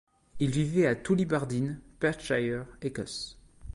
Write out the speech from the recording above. Il vivait à Tullibardine, Perthshire, Écosse.